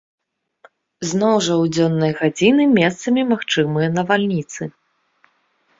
Зноў жа ў дзённыя гадзіны месцамі магчымыя навальніцы.